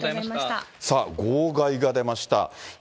さあ、号外が出ました。